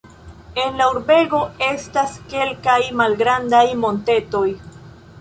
En la urbego estas kelkaj malgrandaj montetoj.